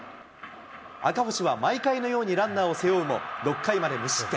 赤星は毎回のようにランナーを背負うも６回まで無失点。